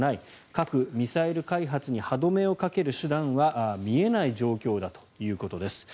核・ミサイル開発に歯止めをかける手段が見えない状況だということです。